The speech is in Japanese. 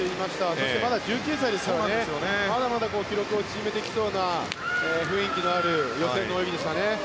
そしてまだ１９歳ですからまだまだ記録を縮めてきそうな雰囲気のある予選の泳ぎでしたね。